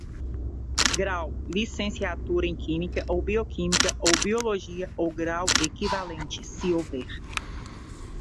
Grau: Licenciatura em Química, ou Bioquímica ou Biologia, ou grau equivalente, se houver.